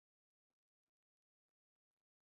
天水小檗为小檗科小檗属下的一个种。